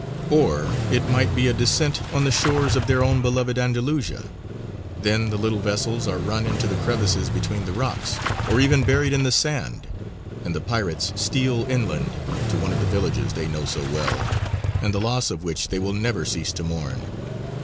Or it might be a descent on the shores of their own beloved Andalusia. Then the little vessels are run into the crevices between the rocks, or even buried in the sand, and the pirates steal inland to one of the villages they know so well, and the loss of which they will never cease to mourn.